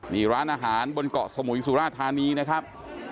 นี่ร้านอาหารบนเกาะสมุยสุราธานีนะครับ